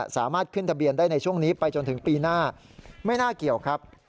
สามารถขึ้นทะเบียนได้ในช่วงนี้ไปจนถึงปีหน้าไม่น่าเกี่ยวครับ